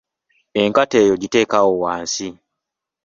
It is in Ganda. Enkata eyo giteeke awo wansi.